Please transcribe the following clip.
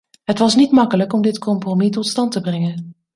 Het was niet makkelijk om dit compromis tot stand te brengen.